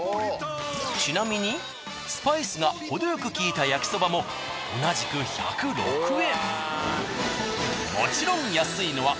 ちなみにスパイスがほどよくきいた焼きそばも同じく１０６円。